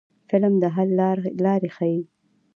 فلم د حل لارې ښيي